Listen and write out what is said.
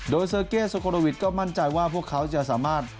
โดยเซอร์เก้โซโคโลวิทก็มั่นใจว่าพวกเขาจะสามารถ